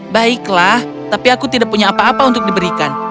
baiklah tapi aku tidak punya apa apa untuk diberikan